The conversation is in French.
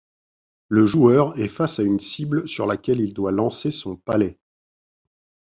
Le joueur est face à une cible sur laquelle il doit lancer son palet.